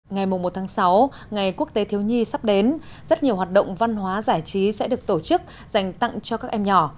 ngày một sáu ngày quốc tế thiếu nhi sắp đến rất nhiều hoạt động văn hóa giải trí sẽ được tổ chức dành tặng cho các em nhỏ